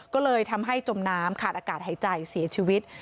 ก็เลยทำให้จมน้ำขาดอากาศหายใจเสียชีวิต